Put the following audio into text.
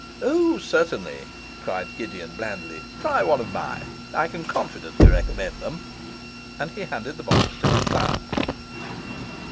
'Oh, certainly,' cried Gideon blandly. 'Try one of mine; I can confidently recommend them.' And he handed the box to his client.